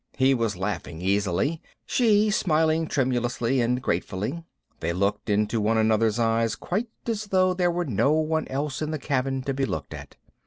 He was laughing easily; she, smiling tremulously and gratefully. They looked into one another's eyes quite as though there were no one else in the cabin to be looked at.